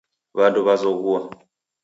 W'andu w'azoghua.